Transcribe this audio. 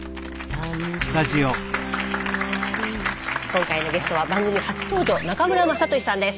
今回のゲストは番組初登場中村雅俊さんです。